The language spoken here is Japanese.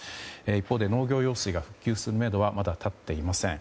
一方で農業用水が復旧するめどはまだ立っていません。